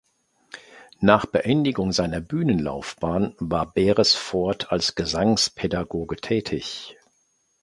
Nach Beendigung seiner Bühnenlaufbahn war Beresford als Gesangspädagoge tätig.